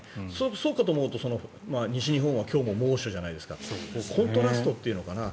そうかと思うと西日本は今日も猛暑じゃないですかコントラストというのかな